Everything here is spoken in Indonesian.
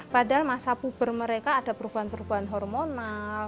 padahal masa puber mereka ada perubahan perubahan hormonal